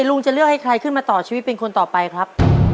ลุงจะเลือกให้ใครขึ้นมาต่อชีวิตเป็นคนต่อไปครับ